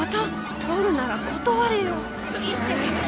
撮るなら断れよ！